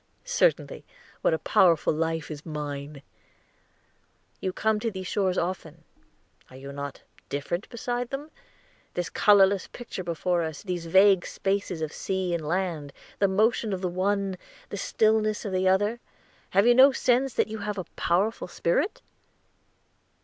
"Certainly. What a powerful life is mine!" "You come to these shores often. Are you not different beside them? This colorless picture before us these vague spaces of sea and land the motion of the one the stillness of the other have you no sense that you have a powerful spirit?"